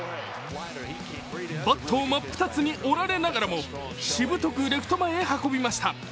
バットを真っ二つに折られながらもしぶとくレフト前へ運びました。